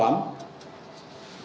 dari sebuah peringatan yang terjadi